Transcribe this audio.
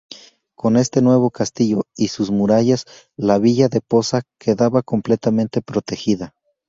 Con este nuevo castillo y sus murallas, la villa de Poza quedaba completamente protegida.